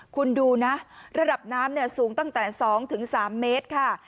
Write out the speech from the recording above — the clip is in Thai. คุณดูนะระดับน้ำสูงตั้งแต่๒๓เมตรค่ะ